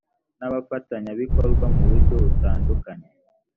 n abafanyabikorwa mu buryo butandukanye